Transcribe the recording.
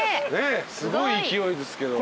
すごい勢いですけど。